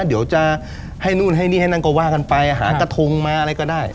เดี๋ยวจะให้นู่นให้นี่ให้นั่นก็ว่ากันไปหากระทงมาอะไรก็ได้